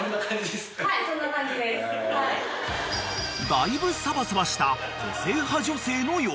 ［だいぶサバサバした個性派女性の予感］